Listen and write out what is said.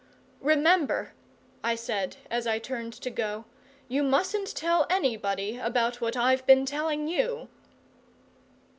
"Remember," I said as I turned to go, "you mustn't tell anybody about what I've been telling you!"